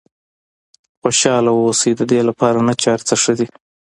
خوشاله واوسئ ددې لپاره نه چې هر څه ښه دي.